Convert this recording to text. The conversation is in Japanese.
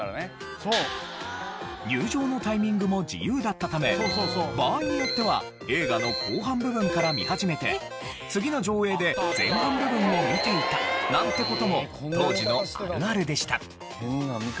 入場のタイミングも自由だったため場合によっては映画の後半部分から見始めて次の上映で前半部分を見ていたなんて事も当時のあるあるでした。